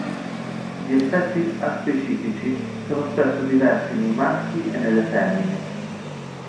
Gli effetti aspecifici sono spesso diversi nei maschi e nelle femmine.